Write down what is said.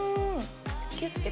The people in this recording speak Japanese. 「キュッて」